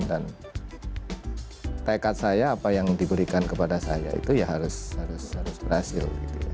dan tekad saya apa yang diberikan kepada saya itu ya harus berhasil